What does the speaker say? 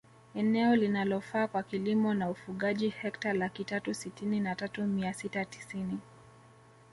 Eneo linalofaa kwa kilimo naufugaji hekta laki tatu sitini na tatu mia sita tisini